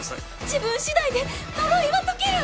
自分次第で呪いは解ける！